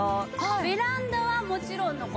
ベランダはもちろんの事